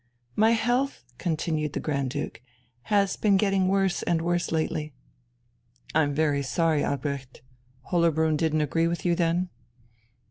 "My health," continued the Grand Duke, "has been getting worse and worse lately." "I'm very sorry, Albrecht Hollerbrunn didn't agree with you, then?"